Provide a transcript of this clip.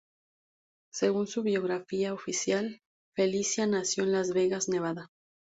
Según su biografía oficial, Felicia nació en Las Vegas, Nevada.